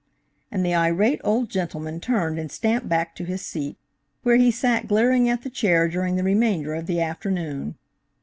and the irate old gentleman turned and stamped back to his seat, where he sat glaring at the chair during the remainder of the afternoon.